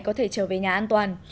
có thể trở về nhà an toàn